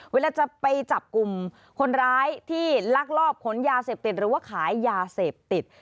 เวลาจะไปจับกลุ่มคนร้ายที่ลักลอบขนยาเสพติดหรือว่าขายยาเสพติด